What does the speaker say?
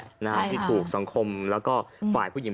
ที่ถูกสังคมแล้วก็ฝ่ายผู้หญิง